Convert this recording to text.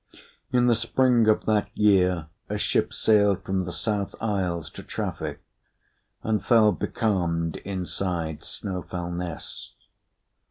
In the spring of that year a ship sailed from the South Isles to traffic, and fell becalmed inside Snowfellness.